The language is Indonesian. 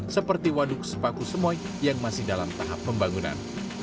seperti waduk sepaku semoy yang masih dalam tahap pembangunan